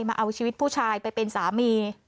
มาเอาชีวิตผู้ชายไปเป็นสามี